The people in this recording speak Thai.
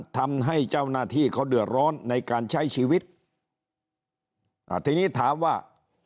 ทำให้เจ้าหน้าที่เขาเดือดร้อนในการใช้ชีวิตอ่าทีนี้ถามว่า